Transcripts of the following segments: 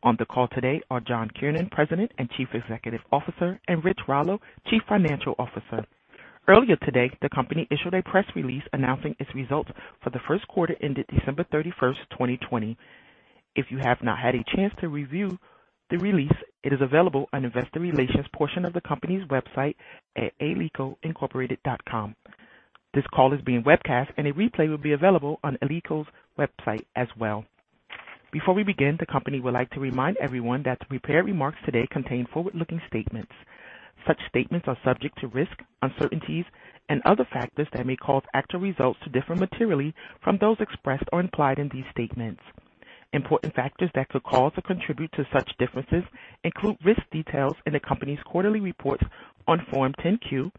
On the call today are John Kiernan, President and Chief Executive Officer, and Rich Rallo, Chief Financial Officer. Earlier today, the company issued a press release announcing its results for the first quarter ended December 31st, 2020. If you have not had a chance to review the release, it is available on the Investor Relations portion of the company's website at alicoinc.com. This call is being webcast, and a replay will be available on Alico's website as well. Before we begin, the company would like to remind everyone that the prepared remarks today contain forward-looking statements. Such statements are subject to risks, uncertainties, and other factors that may cause actual results to differ materially from those expressed or implied in these statements. Important factors that could cause or contribute to such differences include risk details in the company's quarterly reports on Form 10-Q,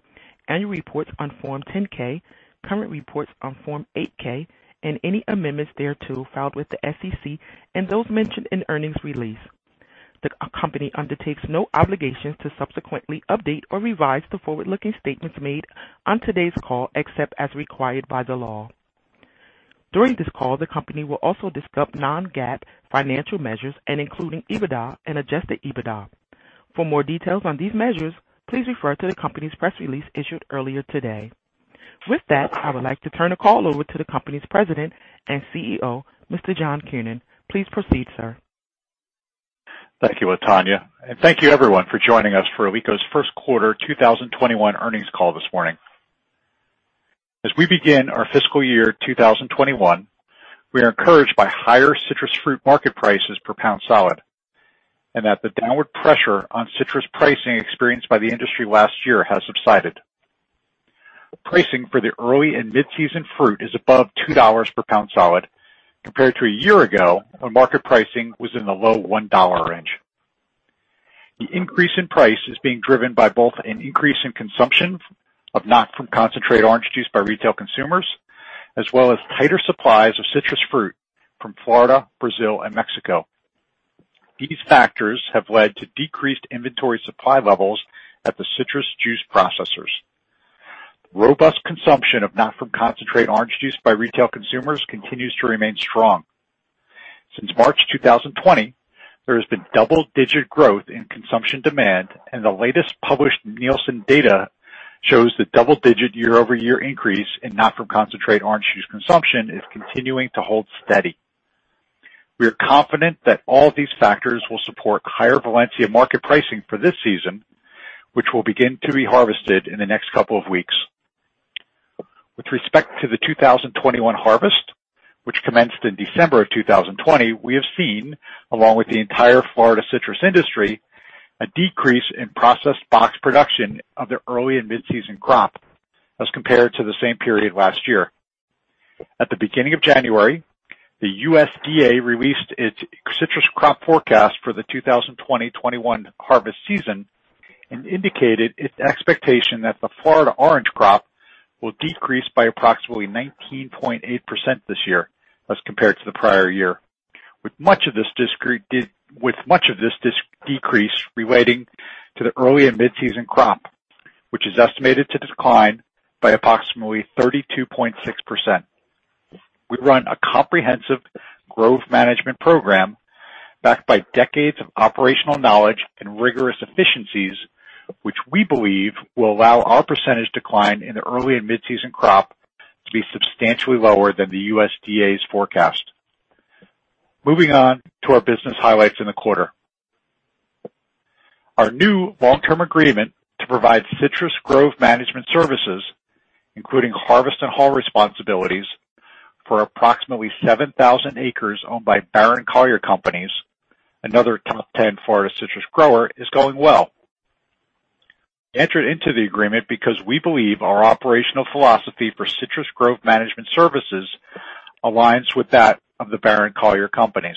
annual reports on Form 10-K, current reports on Form 8-K, and any amendments thereto filed with the SEC, and those mentioned in earnings release. The company undertakes no obligation to subsequently update or revise the forward-looking statements made on today's call, except as required by the law. During this call, the company will also discuss non-GAAP financial measures, and including EBITDA and adjusted EBITDA. For more details on these measures, please refer to the company's press release issued earlier today. With that, I would like to turn the call over to the company's President and CEO, Mr. John Kiernan. Please proceed, sir. Thank you, Latonya. Thank you, everyone, for joining us for Alico's First Quarter 2021 Earnings Call this morning. As we begin our fiscal year 2021, we are encouraged by higher citrus fruit market prices per pound solid, and that the downward pressure on citrus pricing experienced by the industry last year has subsided. Pricing for the early and mid-season fruit is above $2 per pound solid compared to a year ago when market pricing was in the low $1 range. The increase in price is being driven by both an increase in consumption of not-from-concentrate orange juice by retail consumers, as well as tighter supplies of citrus fruit from Florida, Brazil, and Mexico. These factors have led to decreased inventory supply levels at the citrus juice processors. Robust consumption of not-from-concentrate orange juice by retail consumers continues to remain strong. Since March 2020, there has been double-digit growth in consumption demand, and the latest published Nielsen data shows the double-digit year-over-year increase in not-from-concentrate orange juice consumption is continuing to hold steady. We are confident that all these factors will support higher Valencia market pricing for this season, which will begin to be harvested in the next couple of weeks. With respect to the 2021 harvest, which commenced in December of 2020, we have seen, along with the entire Florida citrus industry, a decrease in processed box production of the early and mid-season crop as compared to the same period last year. At the beginning of January, the USDA released its citrus crop forecast for the 2020-2021 harvest season and indicated its expectation that the Florida orange crop will decrease by approximately 19.8% this year as compared to the prior year. With much of this decrease relating to the early and mid-season crop, which is estimated to decline by approximately 32.6%. We run a comprehensive grove management program backed by decades of operational knowledge and rigorous efficiencies, which we believe will allow our percentage decline in the early and mid-season crop to be substantially lower than the USDA's forecast. Moving on to our business highlights in the quarter. Our new long-term agreement to provide citrus grove management services, including harvest and haul responsibilities for approximately 7,000 acres owned by Barron Collier Companies, another top 10 Florida citrus grower, is going well. We entered into the agreement because we believe our operational philosophy for citrus grove management services aligns with that of the Barron Collier Companies.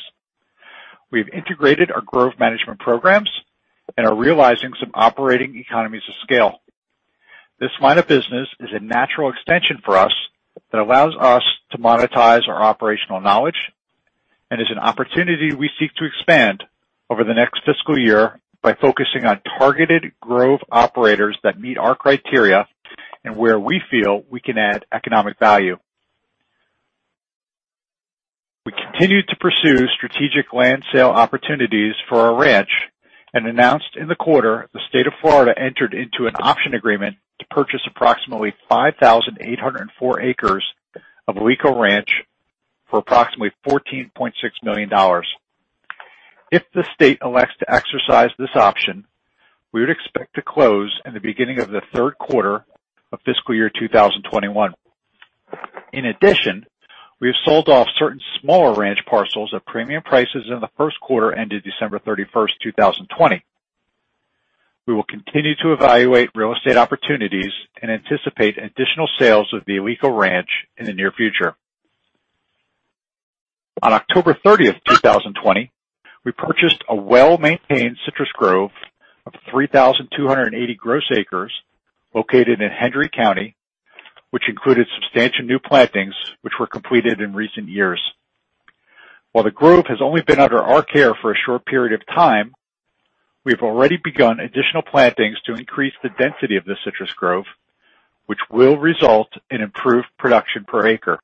We've integrated our grove management programs and are realizing some operating economies of scale. This line of business is a natural extension for us that allows us to monetize our operational knowledge and is an opportunity we seek to expand over the next fiscal year by focusing on targeted grove operators that meet our criteria and where we feel we can add economic value. We continue to pursue strategic land sale opportunities for our ranch and announced in the quarter the state of Florida entered into an option agreement to purchase approximately 5,804 acres of Alico Ranch for approximately $14.6 million. If the state elects to exercise this option, we would expect to close in the beginning of the third quarter of fiscal year 2021. In addition, we have sold off certain smaller ranch parcels at premium prices in the first quarter ended December 31st, 2020. We will continue to evaluate real estate opportunities and anticipate additional sales of the Alico Ranch in the near future. On October 30th, 2020, we purchased a well-maintained citrus grove of 3,280 gross acres located in Hendry County, which included substantial new plantings which were completed in recent years. While the grove has only been under our care for a short period of time, we have already begun additional plantings to increase the density of the citrus grove, which will result in improved production per acre.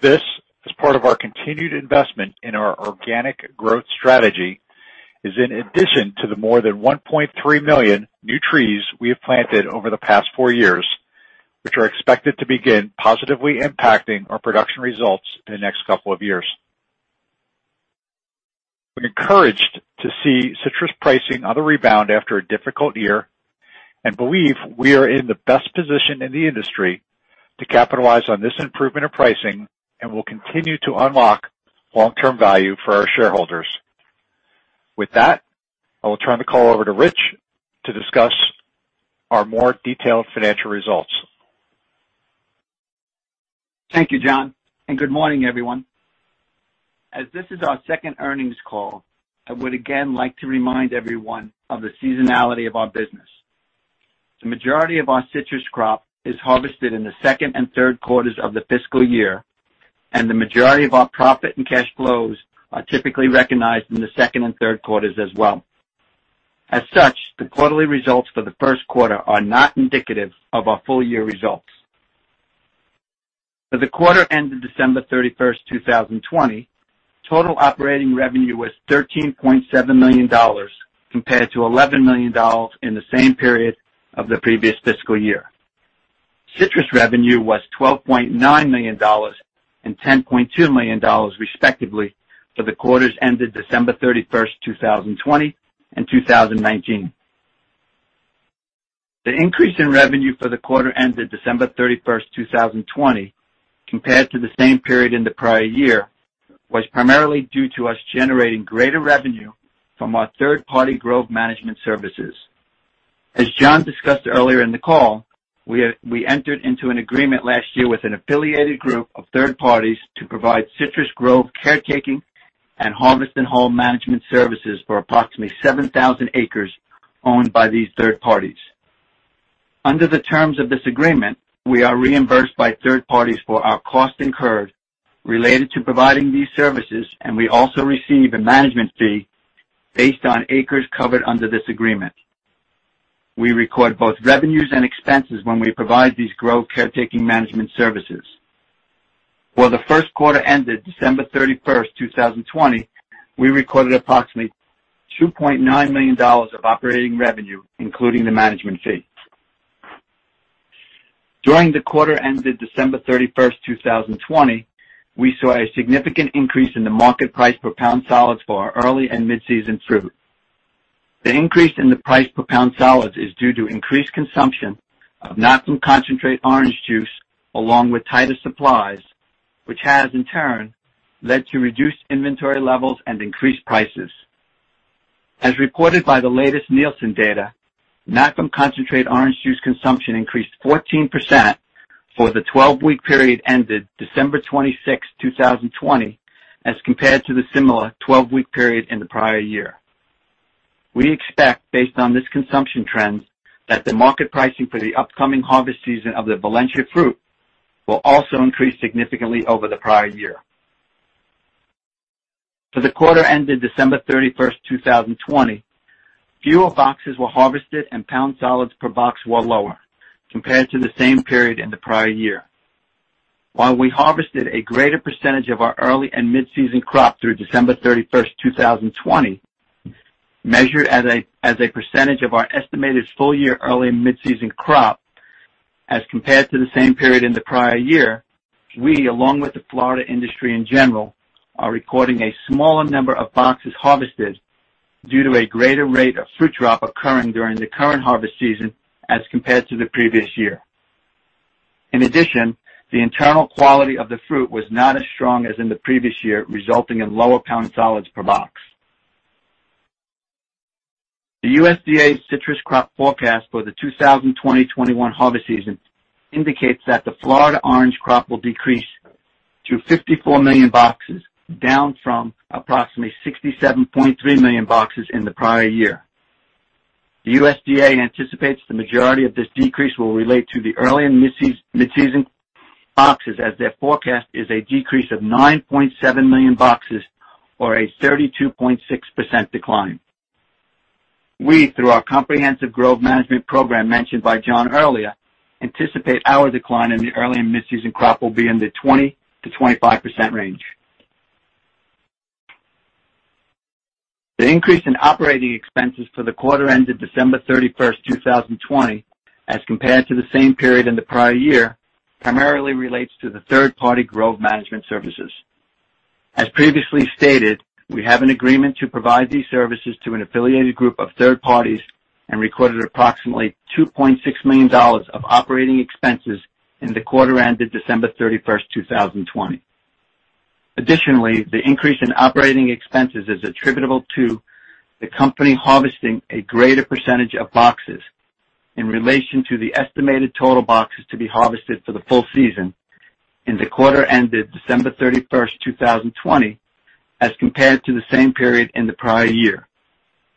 This, as part of our continued investment in our organic growth strategy, is in addition to the more than 1.3 million new trees we have planted over the past four years, which are expected to begin positively impacting our production results in the next couple of years. We're encouraged to see citrus pricing on the rebound after a difficult year and believe we are in the best position in the industry to capitalize on this improvement in pricing and will continue to unlock long-term value for our shareholders. With that, I will turn the call over to Rich to discuss our more detailed financial results. Thank you, John, and good morning, everyone. As this is our second earnings call, I would again like to remind everyone of the seasonality of our business. The majority of our citrus crop is harvested in the second and third quarters of the fiscal year, and the majority of our profit and cash flows are typically recognized in the second and third quarters as well. As such, the quarterly results for the first quarter are not indicative of our full-year results. For the quarter ended December 31, 2020, total operating revenue was $13.7 million compared to $11 million in the same period of the previous fiscal year. Citrus revenue was $12.9 million and $10.2 million, respectively, for the quarters ended December 31, 2020 and 2019. The increase in revenue for the quarter ended December 31, 2020, compared to the same period in the prior year, was primarily due to us generating greater revenue from our third-party grove management services. As John discussed earlier in the call, we entered into an agreement last year with an affiliated group of third parties to provide citrus grove caretaking and harvest and haul management services for approximately 7,000 acres owned by these third parties. Under the terms of this agreement, we are reimbursed by third parties for our costs incurred related to providing these services, and we also receive a management fee based on acres covered under this agreement. We record both revenues and expenses when we provide these grove caretaking management services. For the first quarter ended December 31, 2020, we recorded approximately $2.9 million of operating revenue, including the management fee. During the quarter ended December 31, 2020, we saw a significant increase in the market price per pound solids for our early and mid-season fruit. The increase in the price per pound solids is due to increased consumption of not-from-concentrate orange juice along with tighter supplies, which has in turn led to reduced inventory levels and increased prices. As reported by the latest Nielsen data, not-from-concentrate orange juice consumption increased 14% for the 12-week period ended December 26, 2020, as compared to the similar 12-week period in the prior year. We expect, based on this consumption trends, that the market pricing for the upcoming harvest season of the Valencia fruit will also increase significantly over the prior year. For the quarter ended December 31, 2020, fewer boxes were harvested and pound solids per box were lower compared to the same period in the prior year. While we harvested a greater percentage of our early and mid-season crop through December 31, 2020, measured as a percentage of our estimated full-year early and mid-season crop as compared to the same period in the prior year, we, along with the Florida industry in general, are recording a smaller number of boxes harvested due to a greater rate of fruit drop occurring during the current harvest season as compared to the previous year. In addition, the internal quality of the fruit was not as strong as in the previous year, resulting in lower pound solids per box. The USDA Citrus Crop Forecast for the 2020-2021 harvest season indicates that the Florida orange crop will decrease to 54 million boxes, down from approximately 67.3 million boxes in the prior year. The USDA anticipates the majority of this decrease will relate to the early and mid-season boxes as their forecast is a decrease of 9.7 million boxes or a 32.6% decline. We, through our comprehensive grove management program mentioned by John earlier, anticipate our decline in the early and mid-season crop will be in the 20%-25% range. The increase in operating expenses for the quarter ended December 31st, 2020, as compared to the same period in the prior year, primarily relates to the third-party grove management services. As previously stated, we have an agreement to provide these services to an affiliated group of third parties and recorded approximately $2.6 million of operating expenses in the quarter ended December 31st, 2020. Additionally, the increase in operating expenses is attributable to the company harvesting a greater percentage of boxes in relation to the estimated total boxes to be harvested for the full season in the quarter ended December 31st, 2020 as compared to the same period in the prior year,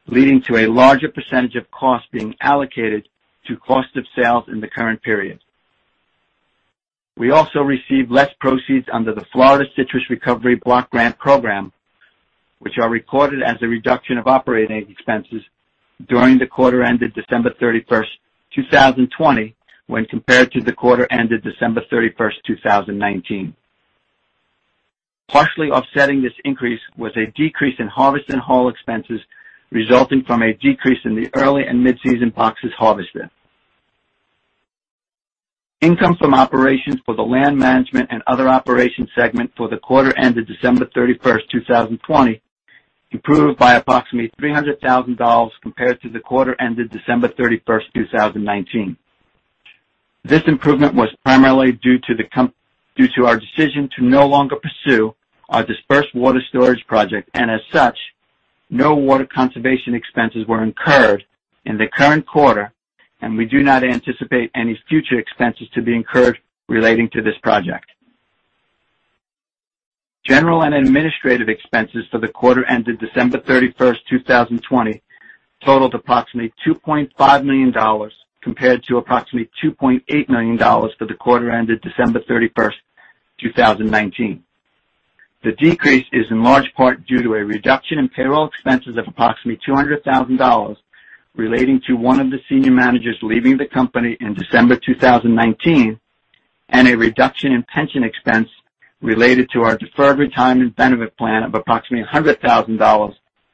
leading to a larger percentage of cost being allocated to cost of sales in the current period. We also received less proceeds under the Florida Citrus Recovery Block Grant Program, which are recorded as a reduction of operating expenses during the quarter ended December 31st, 2020 when compared to the quarter ended December 31st, 2019. Partially offsetting this increase was a decrease in harvest and haul expenses resulting from a decrease in the early and mid-season boxes harvested. Income from operations for the Land Management and Other Operations segment for the quarter ended December 31st, 2020 improved by approximately $300,000 compared to the quarter ended December 31st, 2019. This improvement was primarily due to our decision to no longer pursue our dispersed water storage project. As such, no water conservation expenses were incurred in the current quarter, and we do not anticipate any future expenses to be incurred relating to this project. General and administrative expenses for the quarter ended December 31st, 2020 totaled approximately $2.5 million compared to approximately $2.8 million for the quarter ended December 31st, 2019. The decrease is in large part due to a reduction in payroll expenses of approximately $200,000 relating to one of the senior managers leaving the company in December 2019, and a reduction in pension expense related to our deferred retirement benefit plan of approximately $100,000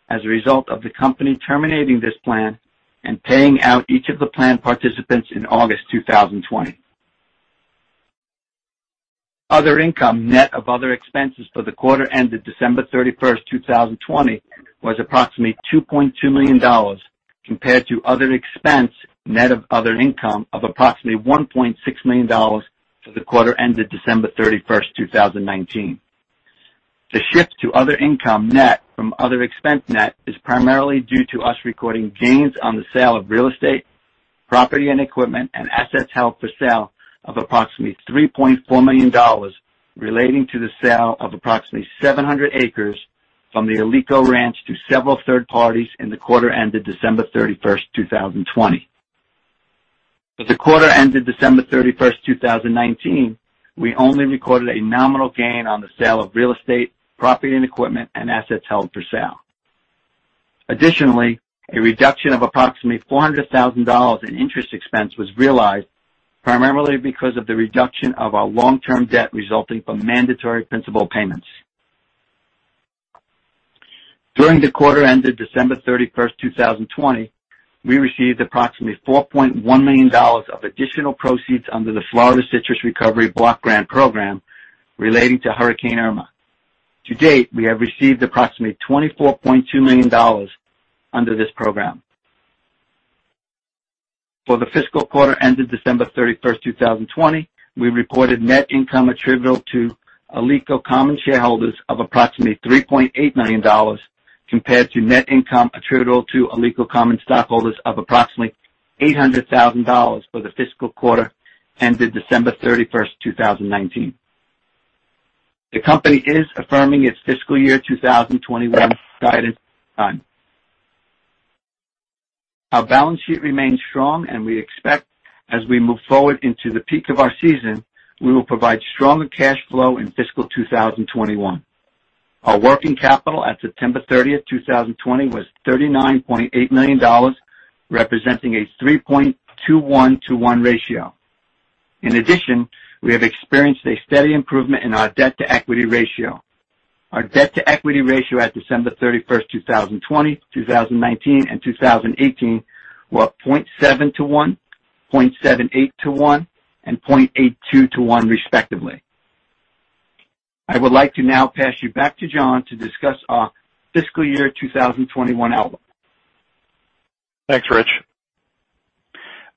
as a result of the company terminating this plan and paying out each of the plan participants in August 2020. Other income, net of other expenses for the quarter ended December 31st, 2020, was approximately $2.2 million compared to other expense, net of other income of approximately $1.6 million for the quarter ended December 31st, 2019. The shift to other income net from other expense net is primarily due to us recording gains on the sale of real estate, property and equipment, and assets held for sale of approximately $3.4 million relating to the sale of approximately 700 acres from the Alico Ranch to several third parties in the quarter ended December 31, 2020. For the quarter ended December 31, 2019, we only recorded a nominal gain on the sale of real estate, property and equipment, and assets held for sale. Additionally, a reduction of approximately $400,000 in interest expense was realized primarily because of the reduction of our long-term debt resulting from mandatory principal payments. During the quarter ended December 31, 2020, we received approximately $4.1 million of additional proceeds under the Florida Citrus Recovery Block Grant Program relating to Hurricane Irma. To date, we have received approximately $24.2 million under this program. For the fiscal quarter ended December 31st, 2020, we reported net income attributable to Alico common shareholders of approximately $3.8 million compared to net income attributable to Alico common stockholders of approximately $800,000 for the fiscal quarter ended December 31st, 2019. The company is affirming its fiscal year 2021 guidance. Our balance sheet remains strong, and we expect as we move forward into the peak of our season, we will provide stronger cash flow in fiscal 2021. Our working capital at September 30th, 2020 was $39.8 million, representing a 3.21:1 ratio. In addition, we have experienced a steady improvement in our debt-to-equity ratio. Our debt-to-equity ratio at December 31st, 2020, 2019, and 2018 were 0.7:1, 0.78:1, and 0.82:1 respectively. I would like to now pass you back to John to discuss our fiscal year 2021 outlook. Thanks, Rich.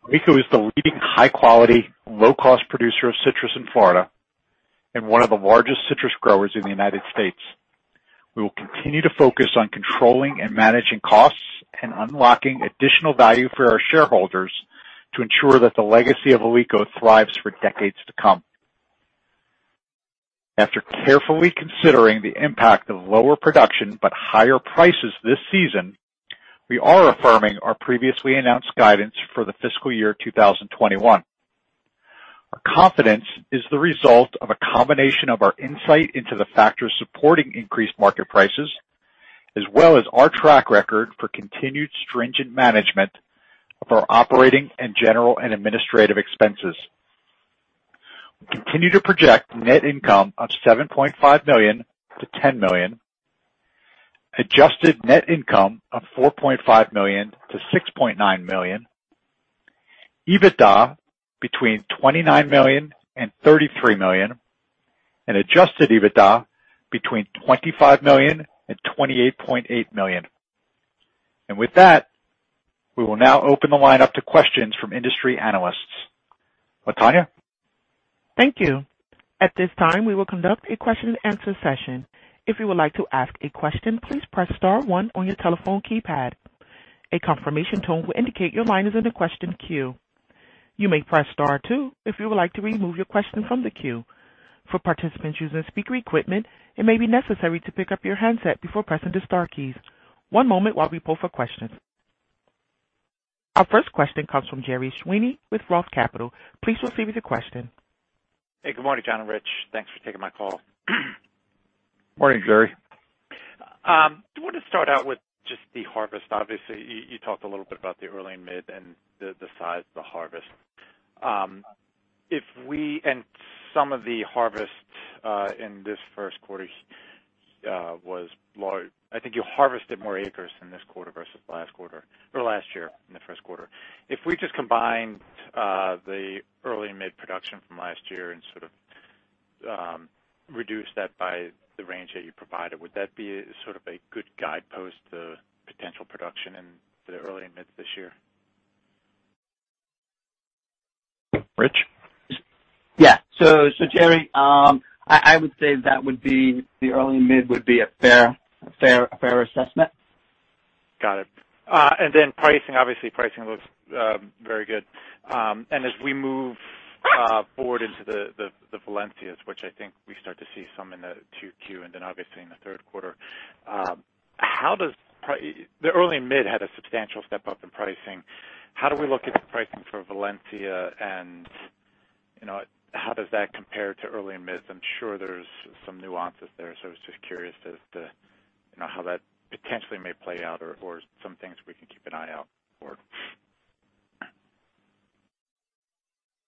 Alico is the leading high-quality, low-cost producer of citrus in Florida and one of the largest citrus growers in the United States. We will continue to focus on controlling and managing costs and unlocking additional value for our shareholders to ensure that the legacy of Alico thrives for decades to come. After carefully considering the impact of lower production but higher prices this season, we are affirming our previously announced guidance for the fiscal year 2021. Our confidence is the result of a combination of our insight into the factors supporting increased market prices, as well as our track record for continued stringent management of our operating and general and administrative expenses. We continue to project net income of $7.5 million-$10 million, adjusted net income of $4.5 million-$6.9 million, EBITDA between $29 million and $33 million, and adjusted EBITDA between $25 million and $28.8 million. With that, we will now open the line up to questions from industry analysts. Latonya? Thank you, at this time we will conduct a question and answer session, if you would like to ask a question, please press star and one on your telephone keypad, a confirmation tone will indicate that your line is in the question queue, you may press star two if you would like to remove your question from the queue for participants using speaker equipment, it may be necessary to pick up your handset before pressing the star key, one moment while we pause for questions. Our first question comes from Gerry Sweeney with Roth Capital. Please proceed with your question. Hey, good morning, John and Rich. Thanks for taking my call. Morning, Gerry. I wanted to start out with just the harvest. Obviously, you talked a little bit about the early and mid and the size of the harvest. Some of the harvest in this first quarter was large. I think you harvested more acres in this quarter versus last quarter or last year in the first quarter. If we just combined the early and mid production from last year and sort of reduced that by the range that you provided, would that be sort of a good guidepost to potential production in the early and mid this year? Rich? Yeah. Gerry, I would say the early and mid would be a fair assessment. Got it. Then pricing, obviously pricing looks very good. As we move forward into the Valencia, which I think we start to see some in the 2Q and then obviously in the third quarter. The early and mid had a substantial step up in pricing. How do we look at pricing for Valencia and how does that compare to early and mid? I'm sure there's some nuances there, so I was just curious as to how that potentially may play out or some things we can keep an eye out for.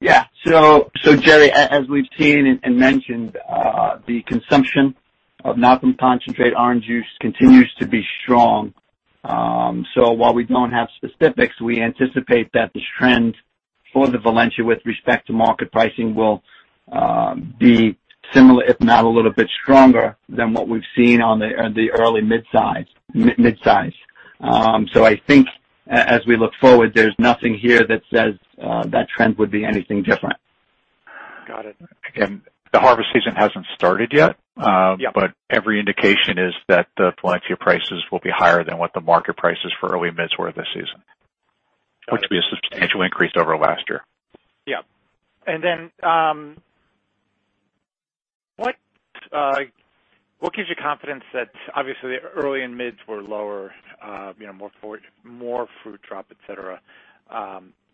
Yeah. Gerry, as we've seen and mentioned, the consumption of not-from-concentrate orange juice continues to be strong. While we don't have specifics, we anticipate that this trend for the Valencia with respect to market pricing will be similar, if not a little bit stronger than what we've seen on the early mid size. I think as we look forward, there's nothing here that says that trend would be anything different. Got it. The harvest season hasn't started yet. Yeah. Every indication is that the Valencia prices will be higher than what the market prices for early mid were this season, which will be a substantial increase over last year. Yeah. What gives you confidence that obviously the early and mid were lower, more fruit drop, et cetera.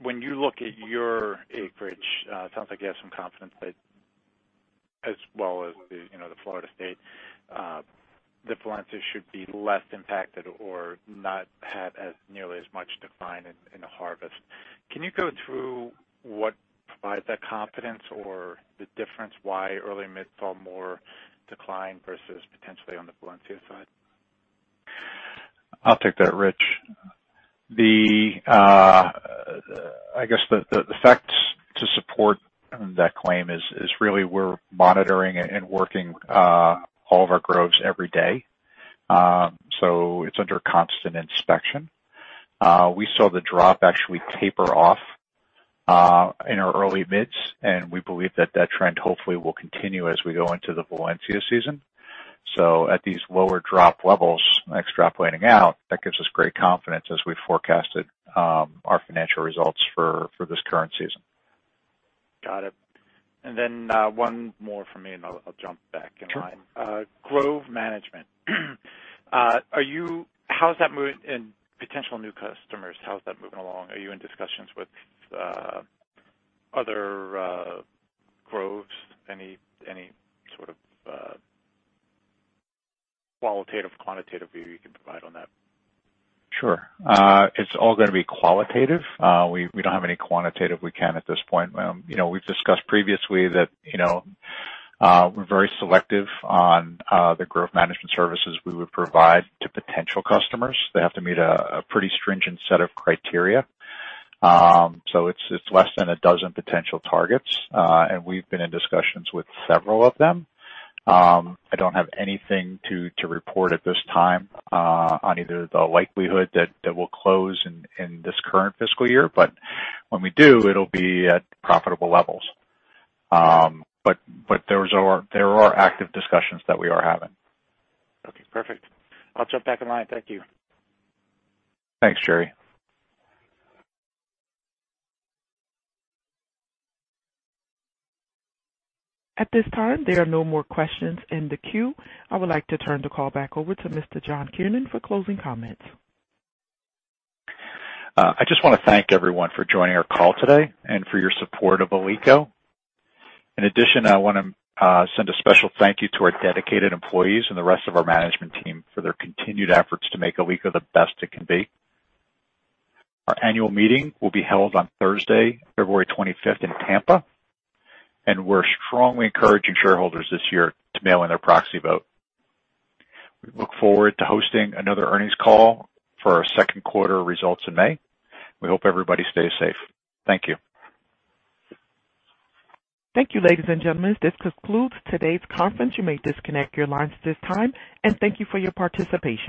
When you look at your acreage, it sounds like you have some confidence that as well as the Florida state, the Valencia should be less impacted or not have as nearly as much decline in the harvest. Can you go through what provides that confidence or the difference why early mid saw more decline versus potentially on the Valencia side? I'll take that, Rich. I guess the facts to support that claim is really we're monitoring and working all of our groves every day. It's under constant inspection. We saw the drop actually taper off in our early mid, and we believe that that trend hopefully will continue as we go into the Valencia season. At these lower drop levels, extrapolating out, that gives us great confidence as we forecasted our financial results for this current season. Got it. One more from me, and I'll jump back in line. Sure. Grove Management. How's that moving and potential new customers, how is that moving along? Are you in discussions with other groves? Any sort of qualitative, quantitative view you can provide on that? Sure. It's all going to be qualitative. We don't have any quantitative we can at this point. We've discussed previously that we're very selective on the Grove Management Program we would provide to potential customers. They have to meet a pretty stringent set of criteria. It's less than a dozen potential targets. We've been in discussions with several of them. I don't have anything to report at this time on either the likelihood that we'll close in this current fiscal year, but when we do, it'll be at profitable levels. There are active discussions that we are having. Okay, perfect. I'll jump back in line. Thank you. Thanks, Gerry. At this time, there are no more questions in the queue. I would like to turn the call back over to Mr. John Kiernan for closing comments. I just want to thank everyone for joining our call today and for your support of Alico. In addition, I want to send a special thank you to our dedicated employees and the rest of our management team for their continued efforts to make Alico the best it can be. Our annual meeting will be held on Thursday, February 25th in Tampa, and we're strongly encouraging shareholders this year to mail in their proxy vote. We look forward to hosting another earnings call for our second quarter results in May. We hope everybody stays safe. Thank you. Thank you, ladies and gentlemen. This concludes today's conference. You may disconnect your lines at this time, and thank you for your participation.